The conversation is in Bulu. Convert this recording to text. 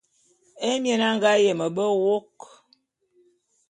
Émien a nga yeme be wôk.